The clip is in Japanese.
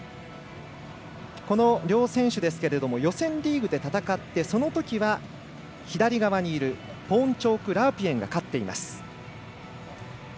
この両選手、予選リーグで戦ってそのときは左側にいるポーンチョーク・ラープイェンが勝っています。